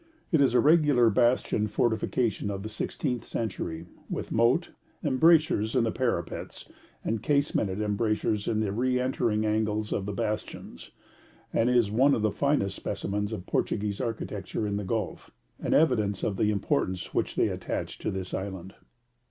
It is a regular bastioned fortification of the sixteenth century, with moat, embrasures in the parapets, and casemented embrasures in the re entering angles of the bastions, and is one of the finest specimens of Portuguese architecture in the Gulf, an evidence of the importance which they attached to this island.